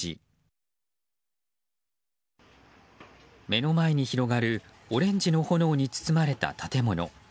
目の前に広がるオレンジの炎に包まれた建物。